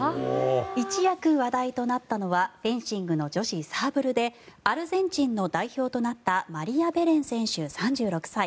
一躍話題となったのはフェンシング女子サーブルでアルゼンチンの代表となったマリアベレン選手、３６歳。